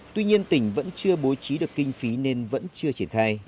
tuy nhiên tỉnh vẫn chưa bố trí được kinh phí nên vẫn chưa triển khai